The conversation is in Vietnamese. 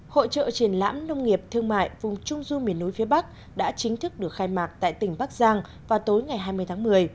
hội trợ triển lãm nông nghiệp thương mại vùng trung du miền núi phía bắc đã chính thức được khai mạc tại tỉnh bắc giang vào tối ngày hai mươi tháng một mươi